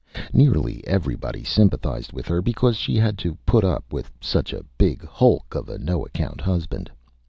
Nearly Everybody Sympathized with her, because she had to put up with such a big Hulk of a no account Husband.